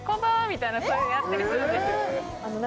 そういうのやったりするんですよ。